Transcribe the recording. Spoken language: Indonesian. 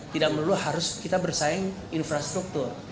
tidak melulu harus kita bersaing infrastruktur